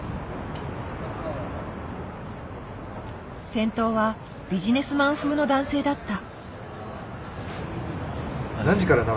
先頭はビジネスマン風の男性だった。